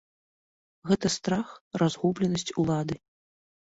Гэта страх, разгубленасць улады!